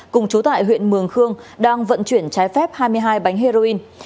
cùng chú tại huyện mường khương đang vận chuyển trái phép hai mươi hai bánh heroin